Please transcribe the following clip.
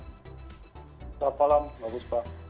selamat malam bagus pak